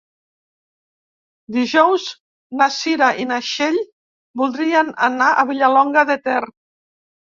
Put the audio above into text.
Dijous na Cira i na Txell voldrien anar a Vilallonga de Ter.